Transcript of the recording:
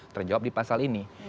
terjawab di pasal ini